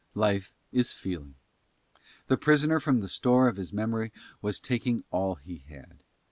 Life is feeling. The prisoner from the store of his memory was taking all he had.